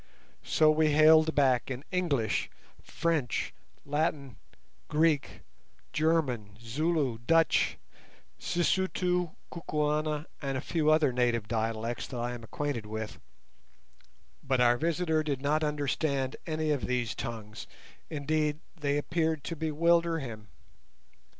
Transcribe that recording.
So we hailed back in English, French, Latin, Greek, German, Zulu, Dutch, Sisutu, Kukuana, and a few other native dialects that I am acquainted with, but our visitor did not understand any of these tongues; indeed, they appeared to bewilder him.